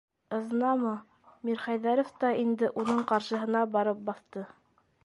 Ызнамо, - Мирхәйҙәров та инде уның ҡаршыһына барып баҫты.